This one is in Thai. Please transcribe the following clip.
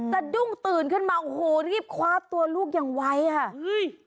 แต่ดุ้งตื่นขึ้นมาโอ้โหนี่คว้าตัวลูกยังไว้อ่ะ